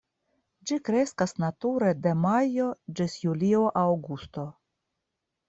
Ĝi kreskas nature de majo ĝis julio, aŭgusto.